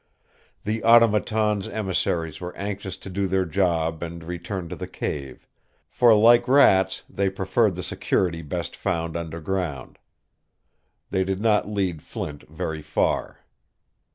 The Automaton's emissaries were anxious to do their job and return to the cave, for, like rats, they preferred the security best found underground. They did not lead Flint very far.